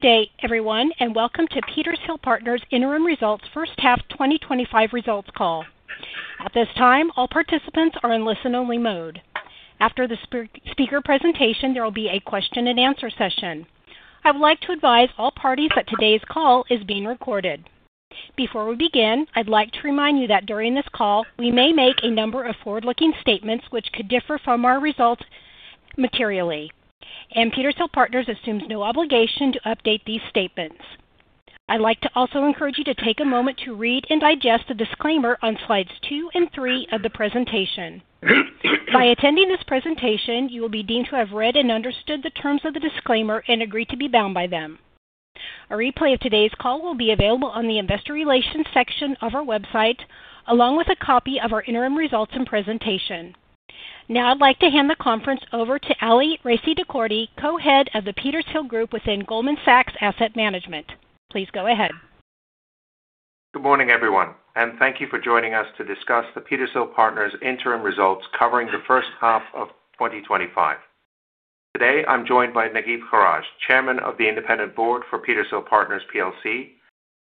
Thank you, everyone, and welcome to Petershill Partners Interim Results First Half 2025 Results Call. At this time, all participants are in listen-only mode. After the speaker presentation, there will be a question and answer session. I would like to advise all parties that today's call is being recorded. Before we begin, I'd like to remind you that during this call, we may make a number of forward-looking statements which could differ from our results materially, and Petershill Partners assumes no obligation to update these statements. I'd like to also encourage you to take a moment to read and digest the disclaimer on slides two and three of the presentation. By attending this presentation, you will be deemed to have read and understood the terms of the disclaimer and agree to be bound by them. A replay of today's call will be available on the Investor Relations section of our website, along with a copy of our interim results and presentation. Now, I'd like to hand the conference over to Ali Raissi-Dehkordy, Co-Head of the Petershill Group within Goldman Sachs Asset Management. Please go ahead. Good morning, everyone, and thank you for joining us to discuss the Petershill Partners Interim Results covering the first half of 2025. Today, I'm joined by Nageef Haraj, Chairman of the Independent Board for Petershill Partners PLC,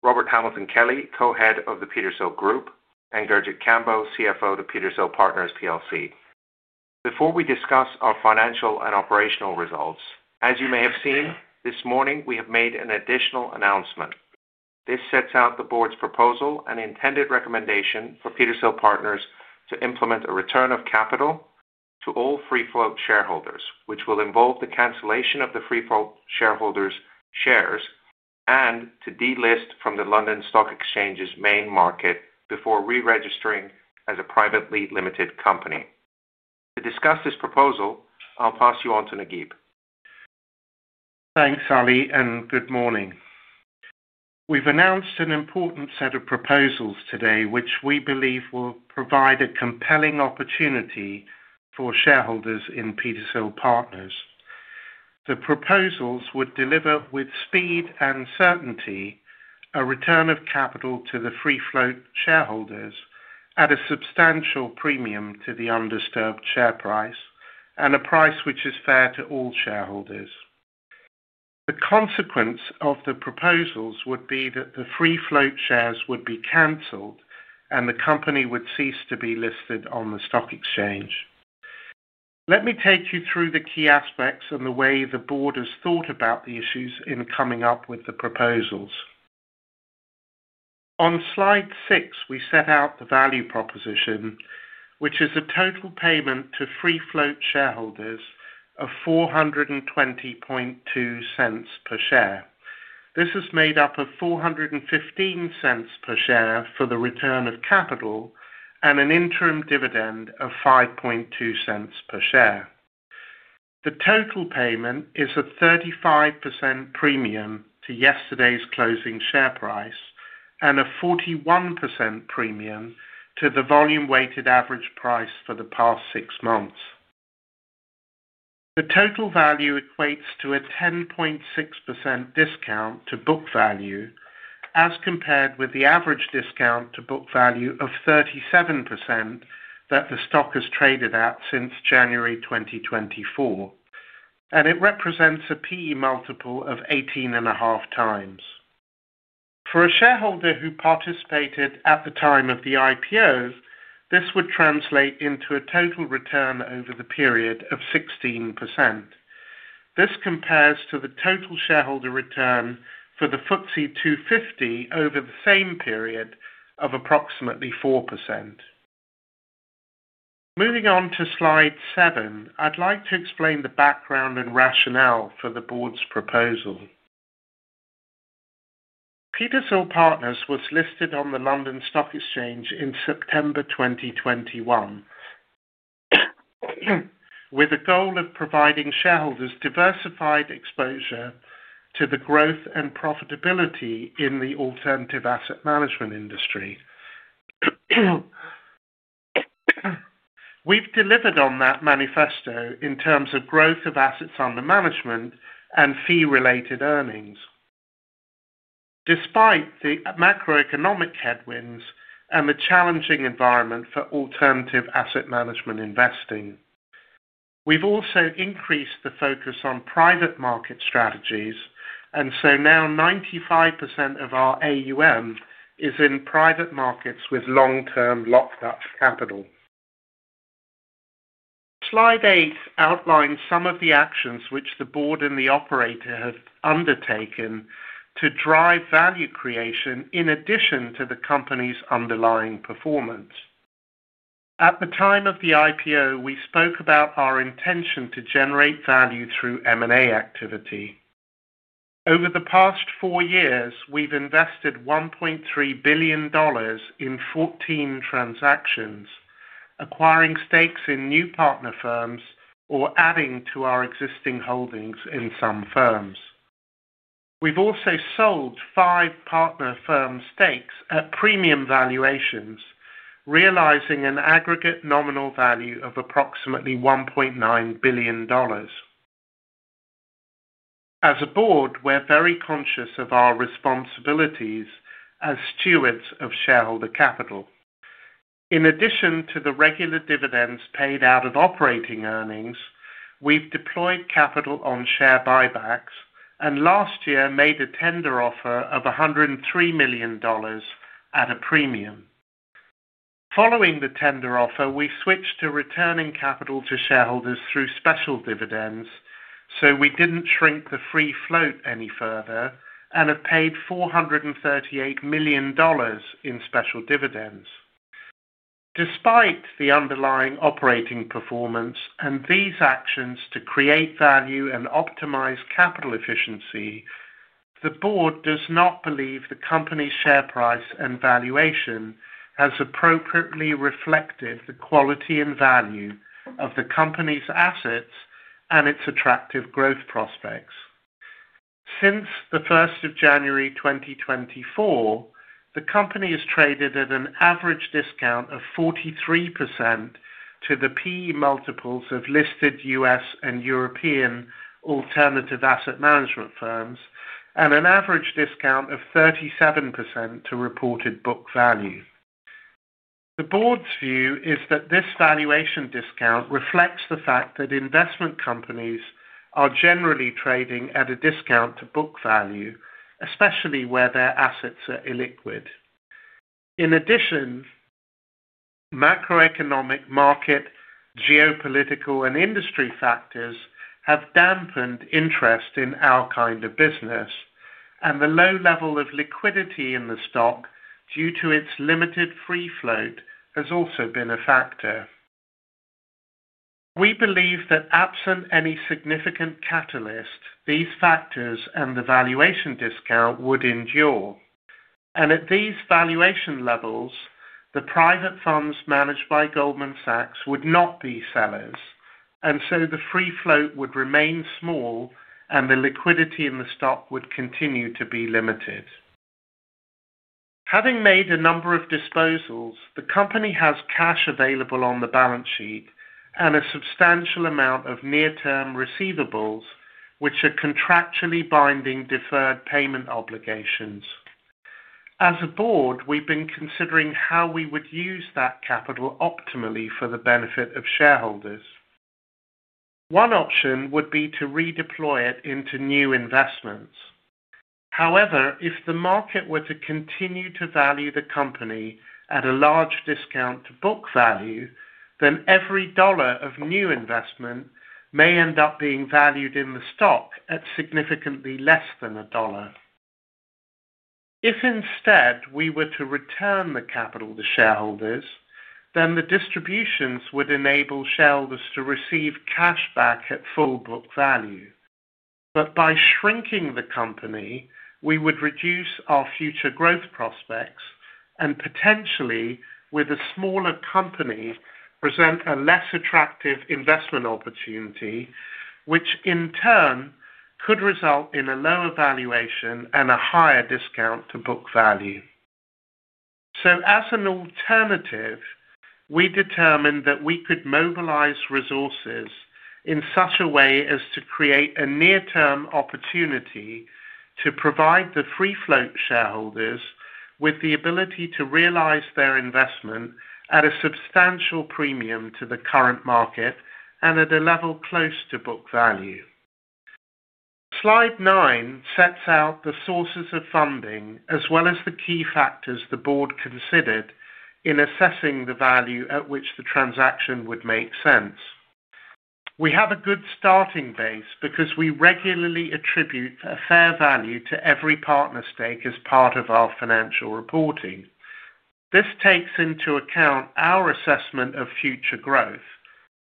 Robert Hamilton Kelly, Co-Head of the Petershill Group, and Gurjit Kambo, CFO to Petershill Partners PLC. Before we discuss our financial and operational results, as you may have seen, this morning we have made an additional announcement. This sets out the Board's proposal and intended recommendation for Petershill Partners to implement a return of capital to all free-float shareholders, which will involve the cancellation of the free-float shareholders' shares and to delist from the London Stock Exchange's main market before re-registering as a privately limited company. To discuss this proposal, I'll pass you on to Nageef. Thanks, Ali, and good morning. We've announced an important set of proposals today, which we believe will provide a compelling opportunity for shareholders in Petershill Partners. The proposals would deliver with speed and certainty a return of capital to the free-float shareholders at a substantial premium to the undisturbed share price and a price which is fair to all shareholders. The consequence of the proposals would be that the free-float shares would be cancelled and the company would cease to be listed on the Stock Exchange. Let me take you through the key aspects and the way the Board has thought about the issues in coming up with the proposals. On slide six, we set out the value proposition, which is a total payment to free-float shareholders of $420.20 per share. This is made up of $415 per share for the return of capital and an interim dividend of $5.20 per share. The total payment is a 35% premium to yesterday's closing share price and a 41% premium to the volume-weighted average price for the past six months. The total value equates to a 10.6% discount to book value, as compared with the average discount to book value of 37% that the stock has traded at since January 2024, and it represents a P/E multiple of 18.5 times. For a shareholder who participated at the time of the IPOs, this would translate into a total return over the period of 16%. This compares to the total shareholder return for the FTSE 250 over the same period of approximately 4%. Moving on to slide seven, I'd like to explain the background and rationale for the Board's proposal. Petershill Partners was listed on the London Stock Exchange in September 2021, with a goal of providing shareholders diversified exposure to the growth and profitability in the alternative asset management industry. We've delivered on that manifesto in terms of growth of assets under management and fee-related earnings, despite the macroeconomic headwinds and the challenging environment for alternative asset management investing. We've also increased the focus on private market strategies, and so now 95% of our AUM is in private markets with long-term locked-up capital. Slide eight outlines some of the actions which the Board and the operator have undertaken to drive value creation in addition to the company's underlying performance. At the time of the IPO, we spoke about our intention to generate value through M&A activity. Over the past four years, we've invested $1.3 billion in 14 transactions, acquiring stakes in new partner firms or adding to our existing holdings in some firms. We've also sold five partner firm stakes at premium valuations, realizing an aggregate nominal value of approximately $1.9 billion. As a Board, we're very conscious of our responsibilities as stewards of shareholder capital. In addition to the regular dividends paid out of operating earnings, we've deployed capital on share buybacks and last year made a tender offer of $103 million at a premium. Following the tender offer, we switched to returning capital to shareholders through special dividends, so we didn't shrink the free float any further and have paid $438 million in special dividends. Despite the underlying operating performance and these actions to create value and optimize capital efficiency, the Board does not believe the company's share price and valuation has appropriately reflected the quality and value of the company's assets and its attractive growth prospects. Since the 1st of January 2024, the company has traded at an average discount of 43% to the P/E multiples of listed U.S. and European alternative asset management firms and an average discount of 37% to reported book value. The Board's view is that this valuation discount reflects the fact that investment companies are generally trading at a discount to book value, especially where their assets are illiquid. In addition, macroeconomic market, geopolitical, and industry factors have dampened interest in our kind of business, and the low level of liquidity in the stock due to its limited free float has also been a factor. We believe that absent any significant catalyst, these factors and the valuation discount would endure, and at these valuation levels, the private funds managed by Goldman Sachs would not be sellers, and the free float would remain small and the liquidity in the stock would continue to be limited. Having made a number of disposals, the company has cash available on the balance sheet and a substantial amount of near-term receivables, which are contractually binding deferred payment obligations. As a Board, we've been considering how we would use that capital optimally for the benefit of shareholders. One option would be to redeploy it into new investments. However, if the market were to continue to value the company at a large discount to book value, then every dollar of new investment may end up being valued in the stock at significantly less than a dollar. If instead we were to return the capital to shareholders, then the distributions would enable shareholders to receive cash back at full book value. By shrinking the company, we would reduce our future growth prospects and potentially, with a smaller company, present a less attractive investment opportunity, which in turn could result in a lower valuation and a higher discount to book value. As an alternative, we determined that we could mobilize resources in such a way as to create a near-term opportunity to provide the free-float shareholders with the ability to realize their investment at a substantial premium to the current market and at a level close to book value. Slide nine sets out the sources of funding, as well as the key factors the Board considered in assessing the value at which the transaction would make sense. We have a good starting base because we regularly attribute a fair value to every partner stake as part of our financial reporting. This takes into account our assessment of future growth,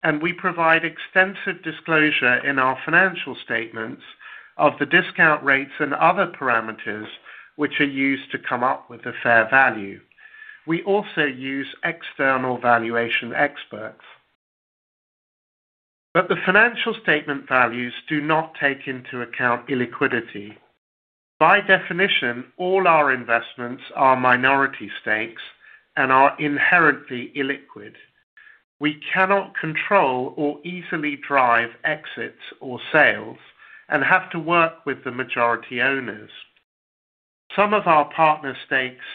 and we provide extensive disclosure in our financial statements of the discount rates and other parameters which are used to come up with a fair value. We also use external valuation experts. The financial statement values do not take into account illiquidity. By definition, all our investments are minority stakes and are inherently illiquid. We cannot control or easily drive exits or sales and have to work with the majority owners. Some of our partner stakes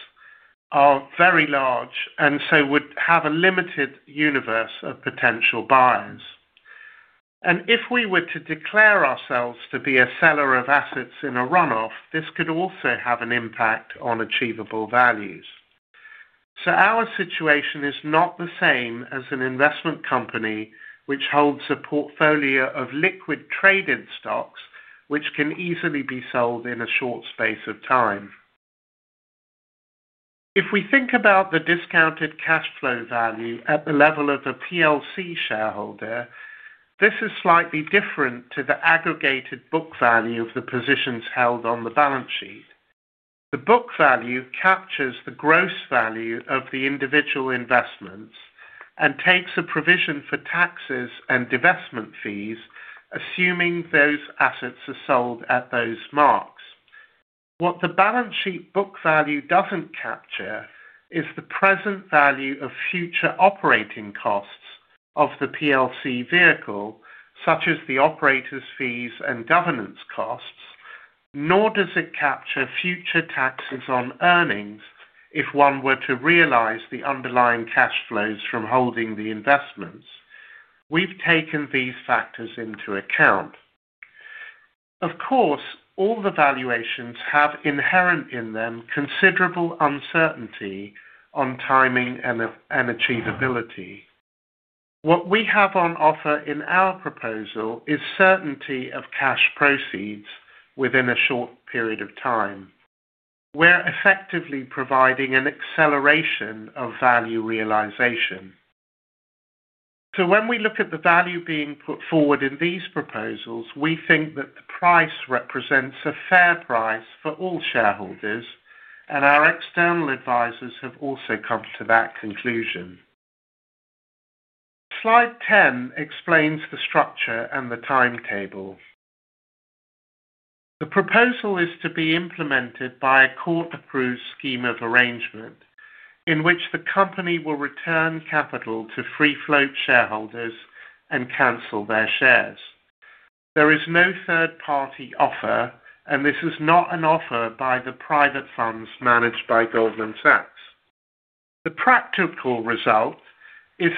are very large and so would have a limited universe of potential buyers. If we were to declare ourselves to be a seller of assets in a run-off, this could also have an impact on achievable values. Our situation is not the same as an investment company which holds a portfolio of liquid traded stocks, which can easily be sold in a short space of time. If we think about the discounted cash flow value at the level of a PLC shareholder, this is slightly different to the aggregated book value of the positions held on the balance sheet. The book value captures the gross value of the individual investments and takes a provision for taxes and divestment fees, assuming those assets are sold at those marks. What the balance sheet book value doesn't capture is the present value of future operating costs of the PLC vehicle, such as the operator's fees and governance costs, nor does it capture future taxes on earnings if one were to realize the underlying cash flows from holding the investments. We've taken these factors into account. Of course, all the valuations have inherent in them considerable uncertainty on timing and achievability. What we have on offer in our proposal is certainty of cash proceeds within a short period of time. We're effectively providing an acceleration of value realization. When we look at the value being put forward in these proposals, we think that the price represents a fair price for all shareholders, and our external advisors have also come to that conclusion. Slide 10 explains the structure and the timetable. The proposal is to be implemented by a court-approved scheme of arrangement in which the company will return capital to free-float shareholders and cancel their shares. There is no third-party offer, and this is not an offer by the private funds managed by Goldman Sachs. The practical result is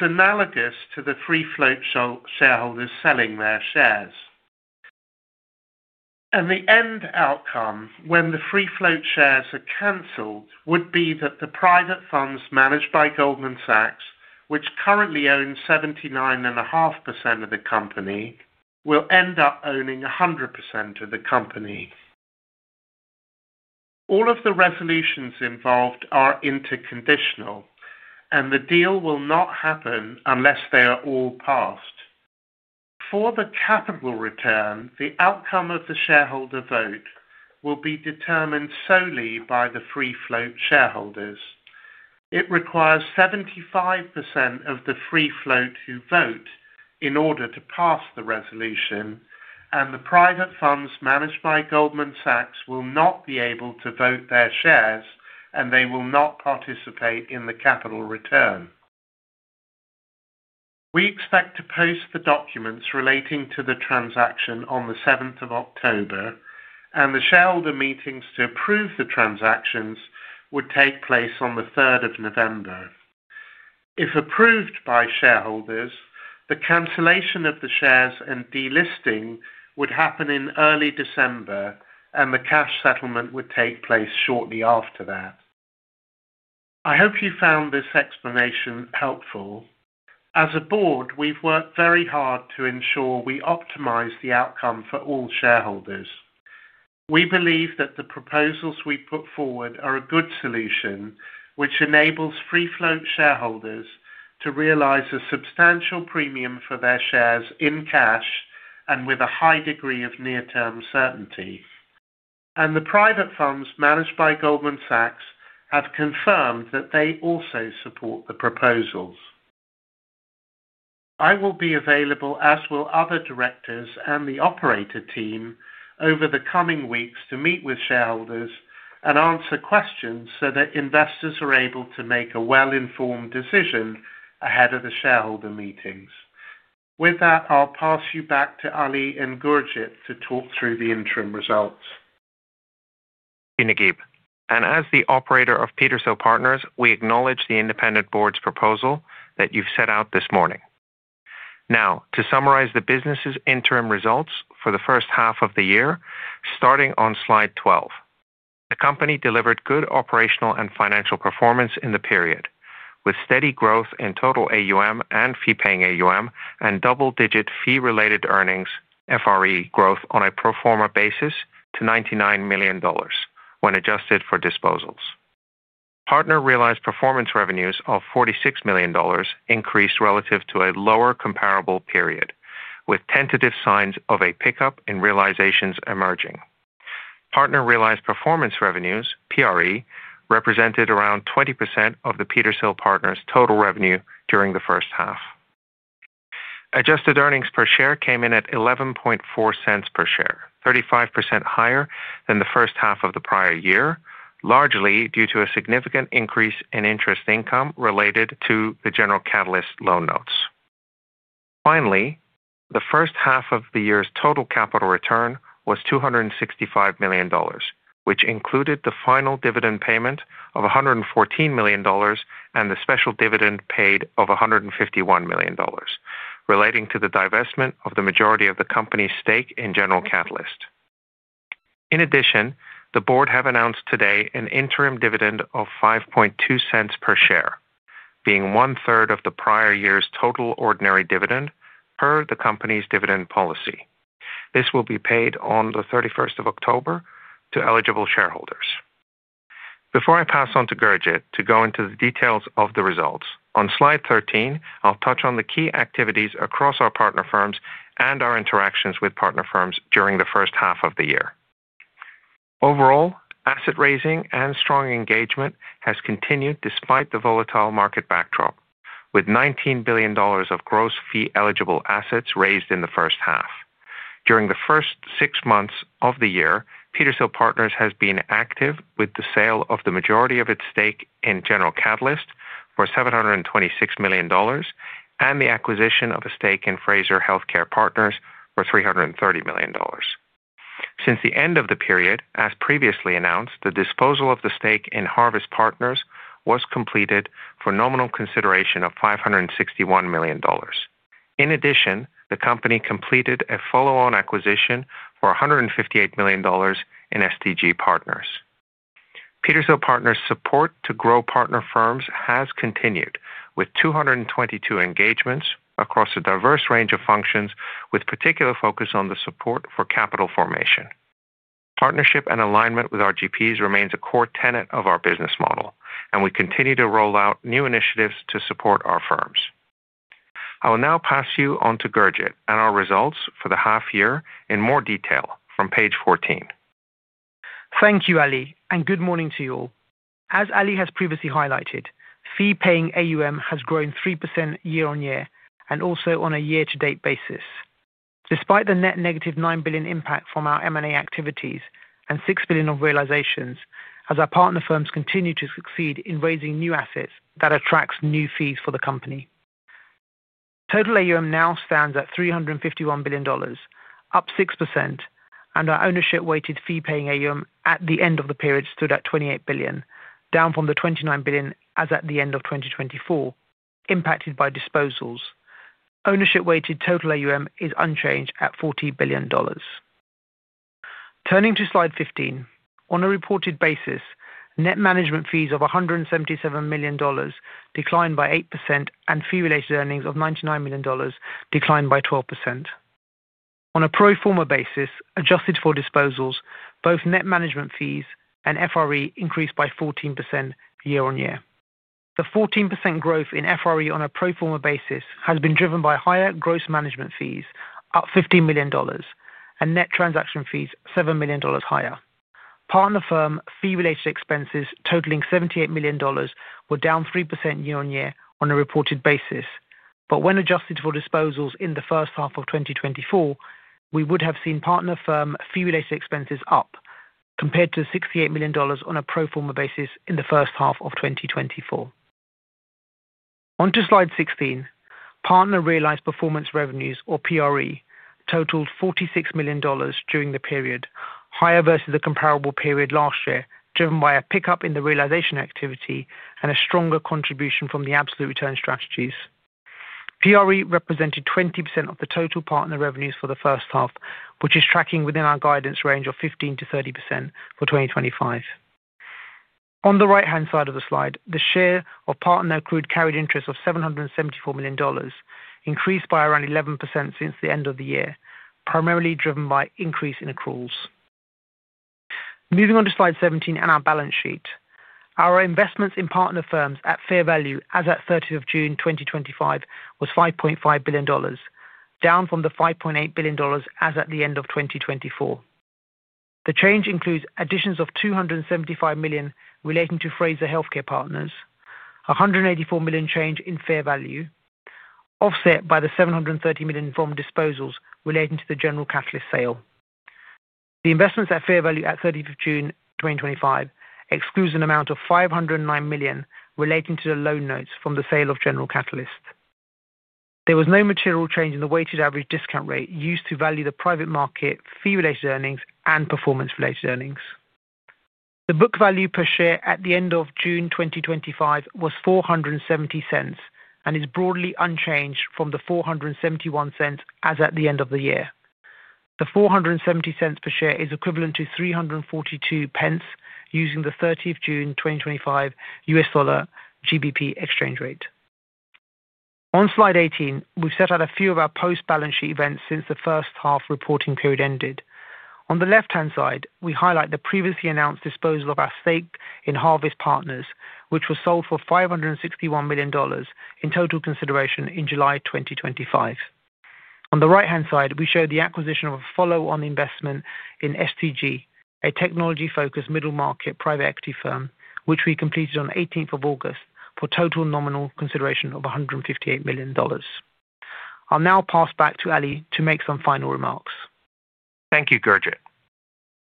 analogous to the free-float shareholders selling their shares. The end outcome, when the free-float shares are canceled, would be that the private funds managed by Goldman Sachs, which currently owns 79.5% of the company, will end up owning 100% of the company. All of the resolutions involved are interconditional, and the deal will not happen unless they are all passed. For the capital return, the outcome of the shareholder vote will be determined solely by the free-float shareholders. It requires 75% of the free-float to vote in order to pass the resolution, and the private funds managed by Goldman Sachs will not be able to vote their shares, and they will not participate in the capital return. We expect to post the documents relating to the transaction on the 7th of October, and the shareholder meetings to approve the transactions would take place on the 3rd of November. If approved by shareholders, the cancellation of the shares and delisting would happen in early December, and the cash settlement would take place shortly after that. I hope you found this explanation helpful. As a Board, we've worked very hard to ensure we optimize the outcome for all shareholders. We believe that the proposals we put forward are a good solution, which enables free-float shareholders to realize a substantial premium for their shares in cash with a high degree of near-term certainty. The private funds managed by Goldman Sachs have confirmed that they also support the proposals. I will be available, as will other directors and the operator team, over the coming weeks to meet with shareholders and answer questions so that investors are able to make a well-informed decision ahead of the shareholder meetings. With that, I'll pass you back to Ali and Gurjit to talk through the interim results. Thank you, Nageef. As the operator of Petershill Partners, we acknowledge the Independent Board's proposal that you've set out this morning. To summarize the business's interim results for the first half of the year, starting on slide 12, the company delivered good operational and financial performance in the period, with steady growth in total AUM and fee-paying AUM and double-digit fee-related earnings, FRE growth on a pro forma basis to $99 million when adjusted for disposals. Partner-realized performance revenues of $46 million increased relative to a lower comparable period, with tentative signs of a pickup in realizations emerging. Partner-realized performance revenues, PRE, represented around 20% of Petershill Partners' total revenue during the first half. Adjusted earnings per share came in at $0.114 per share, 35% higher than the first half of the prior year, largely due to a significant increase in interest income related to the General Catalyst loan notes. The first half of the year's total capital return was $265 million, which included the final dividend payment of $114 million and the special dividend paid of $151 million, relating to the divestment of the majority of the company's stake in General Catalyst. In addition, the Board has announced today an interim dividend of $0.052 per share, being one-third of the prior year's total ordinary dividend per the company's dividend policy. This will be paid on October 31 to eligible shareholders. Before I pass on to Gurjit to go into the details of the results, on slide 13, I'll touch on the key activities across our partner firms and our interactions with partner firms during the first half of the year. Overall, asset raising and strong engagement have continued despite the volatile market backdrop, with $19 billion of gross fee-eligible assets raised in the first half. During the first six months of the year, Petershill Partners has been active with the sale of the majority of its stake in General Catalyst for $726 million and the acquisition of a stake in Frazier Healthcare Partners for $330 million. Since the end of the period, as previously announced, the disposal of the stake in Harvest Partners was completed for nominal consideration of $561 million. The company completed a follow-on acquisition for $158 million in STG Partners. Petershill Partners' support to grow partner firms has continued, with 222 engagements across a diverse range of functions, with particular focus on the support for capital formation. Partnership and alignment with our GPs remains a core tenet of our business model, and we continue to roll out new initiatives to support our firms. I will now pass you on to Gurjit and our results for the half year in more detail from page 14. Thank you, Ali, and good morning to you all. As Ali has previously highlighted, fee-paying AUM has grown 3% year on year and also on a year-to-date basis. Despite the net negative $9 billion impact from our M&A activities and $6 billion of realizations, our partner firms continue to succeed in raising new assets that attract new fees for the company. Total AUM now stands at $351 billion, up 6%, and our ownership-weighted fee-paying AUM at the end of the period stood at $28 billion, down from the $29 billion as at the end of 2024, impacted by disposals. Ownership-weighted total AUM is unchanged at $14 billion. Turning to slide 15, on a reported basis, net management fees of $177 million declined by 8% and fee-related earnings of $99 million declined by 12%. On a pro forma basis, adjusted for disposals, both net management fees and FRE increased by 14% year on year. The 14% growth in FRE on a pro forma basis has been driven by higher gross management fees, up $15 million, and net transaction fees $7 million higher. Partner firm fee-related expenses totaling $78 million were down 3% year on year on a reported basis, but when adjusted for disposals in the first half of 2024, we would have seen partner firm fee-related expenses up compared to $68 million on a pro forma basis in the first half of 2024. Onto slide 16, partner-realized performance revenues, or PRE, totaled $46 million during the period, higher versus the comparable period last year, driven by a pickup in the realization activity and a stronger contribution from the absolute return strategies. PRE represented 20% of the total partner revenues for the first half, which is tracking within our guidance range of 15% to 30% for 2025. On the right-hand side of the slide, the share of partner-accrued carried interest of $774 million increased by around 11% since the end of the year, primarily driven by increase in accruals. Moving on to slide 17 and our balance sheet, our investments in partner firms at fair value as at 30th of June 2025 was $5.5 billion, down from the $5.8 billion as at the end of 2024. The change includes additions of $275 million relating to Frazier Healthcare Partners, $184 million change in fair value, offset by the $730 million from disposals relating to the General Catalyst sale. The investments at fair value at 30th of June 2025 exclude an amount of $509 million relating to the loan notes from the sale of General Catalyst. There was no material change in the weighted average discount rate used to value the private market fee-related earnings and performance-related earnings. The book value per share at the end of June 2025 was $4.70 and is broadly unchanged from the $4.71 as at the end of the year. The $4.70 per share is equivalent to $3.42 using the 30th of June 2025 U.S. dollar GBP exchange rate. On slide 18, we've set out a few of our post-balance sheet events since the first half reporting period ended. On the left-hand side, we highlight the previously announced disposal of our stake in Harvest Partners, which was sold for $561 million in total consideration in July 2025. On the right-hand side, we show the acquisition of a follow-on investment in STG Partners, a technology-focused middle-market private equity firm, which we completed on 18th of August for total nominal consideration of $158 million. I'll now pass back to Ali to make some final remarks. Thank you, Gurjit.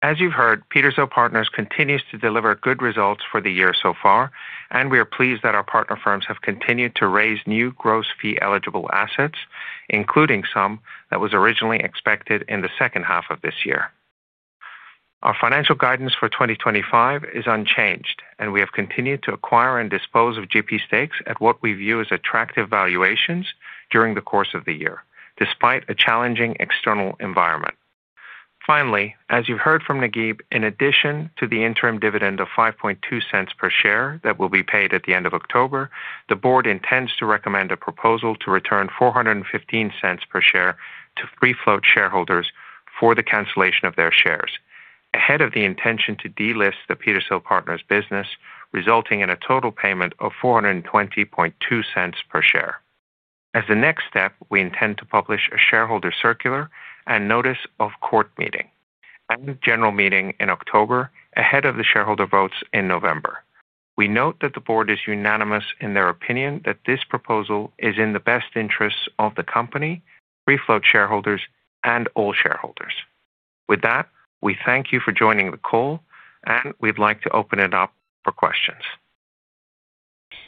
As you've heard, Petershill Partners continues to deliver good results for the year so far, and we are pleased that our partner firms have continued to raise new gross fee-eligible assets, including some that were originally expected in the second half of this year. Our financial guidance for 2025 is unchanged, and we have continued to acquire and dispose of GP stakes at what we view as attractive valuations during the course of the year, despite a challenging external environment. Finally, as you've heard from Nageef, in addition to the interim dividend of $0.052 per share that will be paid at the end of October, the Board intends to recommend a proposal to return $4.15 per share to free-float shareholders for the cancellation of their shares, ahead of the intention to delist the Petershill Partners business, resulting in a total payment of $4.202 per share. As the next step, we intend to publish a shareholder circular and notice of court meeting and general meeting in October, ahead of the shareholder votes in November. We note that the Board is unanimous in their opinion that this proposal is in the best interests of the company, free-float shareholders, and all shareholders. With that, we thank you for joining the call, and we'd like to open it up for questions.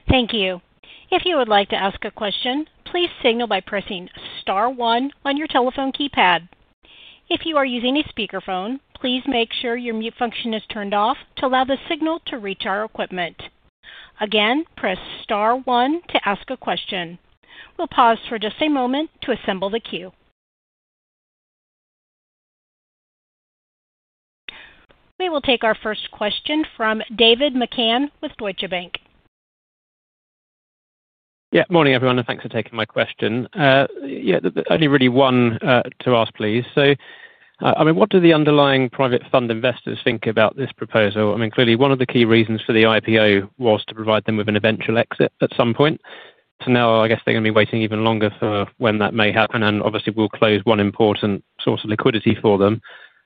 Thank you. If you would like to ask a question, please signal by pressing star one on your telephone keypad. If you are using a speakerphone, please make sure your mute function is turned off to allow the signal to reach our equipment. Again, press star one to ask a question. We'll pause for just a moment to assemble the queue. We will take our first question from David McCann with Deutsche Bank. Yeah, morning everyone, and thanks for taking my question. Only really one to ask, please. What do the underlying private fund investors think about this proposal? Clearly, one of the key reasons for the IPO was to provide them with an eventual exit at some point. I guess they're going to be waiting even longer for when that may happen, and obviously we'll close one important source of liquidity for them.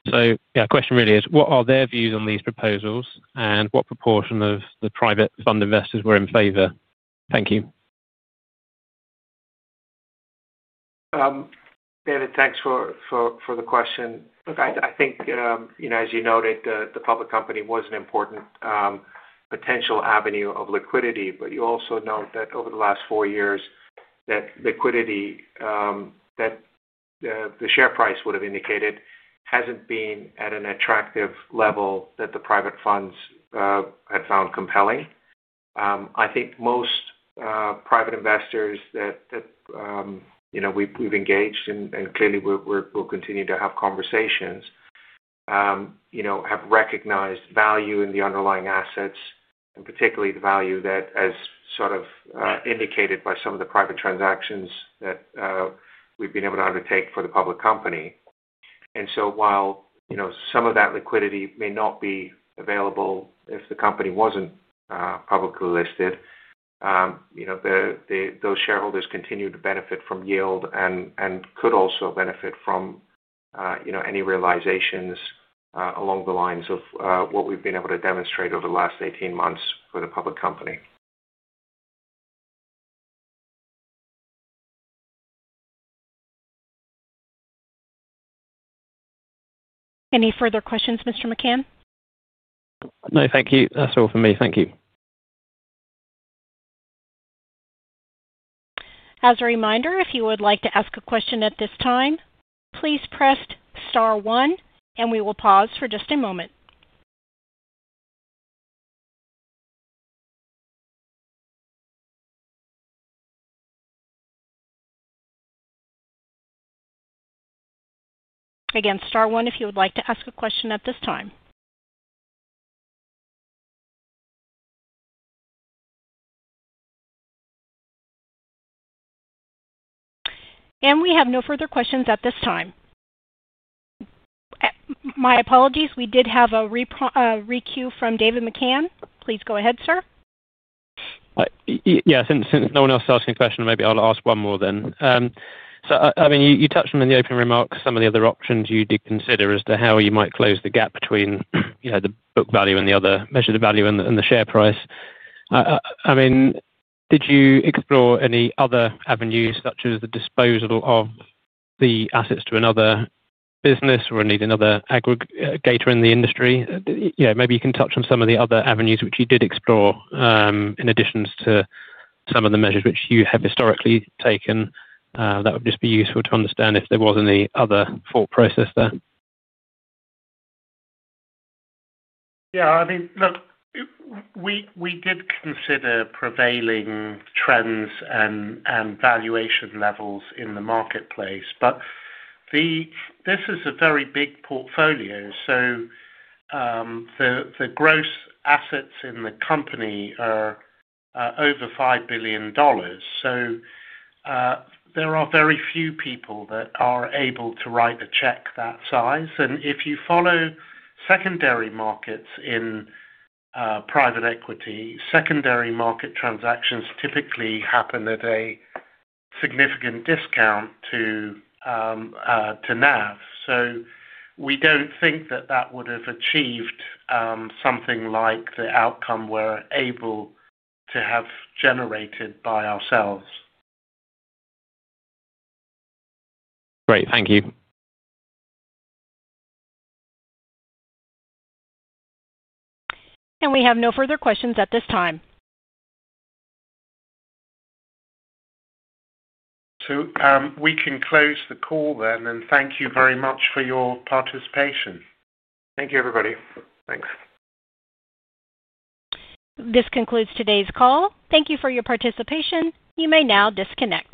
The question really is, what are their views on these proposals and what proportion of the private fund investors were in favor? Thank you. David, thanks for the question. Look, I think, as you noted, the public company was an important potential avenue of liquidity, but you also note that over the last four years that liquidity that the share price would have indicated hasn't been at an attractive level that the private funds have found compelling. I think most private investors that we've engaged in, and clearly we'll continue to have conversations, have recognized value in the underlying assets and particularly the value that, as indicated by some of the private transactions that we've been able to undertake for the public company. While some of that liquidity may not be available if the company wasn't publicly listed, those shareholders continue to benefit from yield and could also benefit from any realizations along the lines of what we've been able to demonstrate over the last 18 months for the public company. Any further questions, Mr. McCann? No, thank you. That's all for me. Thank you. As a reminder, if you would like to ask a question at this time, please press star one. We will pause for just a moment. Again, star one if you would like to ask a question at this time. We have no further questions at this time. My apologies, we did have a re-queue from David McCann. Please go ahead, sir. Yes, since no one else asked me a question, maybe I'll ask one more then. You touched on in the opening remarks some of the other options you did consider as to how you might close the gap between the book value and the other measured value and the share price. Did you explore any other avenues such as the disposal of the assets to another business or maybe another aggregator in the industry? Maybe you can touch on some of the other avenues which you did explore in addition to some of the measures which you have historically taken. That would just be useful to understand if there was any other thought process there. Yeah, I mean, we did consider prevailing trends and valuation levels in the marketplace, but this is a very big portfolio. The gross assets in the company are over $5 billion. There are very few people that are able to write a check that size, and if you follow secondary markets in private equity, secondary market transactions typically happen at a significant discount to NAV. We don't think that that would have achieved something like the outcome we're able to have generated by ourselves. Great, thank you. We have no further questions at this time. We can close the call then, and thank you very much for your participation. Thank you, everybody. Thanks. This concludes today's call. Thank you for your participation. You may now disconnect.